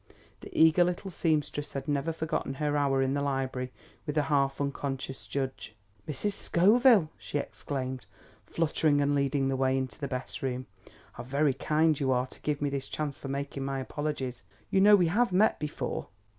The eager little seamstress had never forgotten her hour in the library with the half unconscious judge. "Mrs. Scoville!" she exclaimed, fluttering and leading the way into the best room; "how very kind you are to give me this chance for making my apologies. You know we have met before."